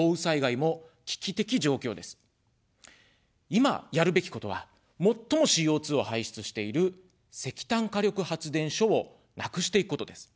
いま、やるべきことは、最もＣＯ２を排出している石炭火力発電所をなくしていくことです。